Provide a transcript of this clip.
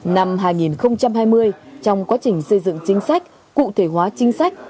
năm hai nghìn hai mươi trong quá trình xây dựng chính sách cụ thể hóa chính sách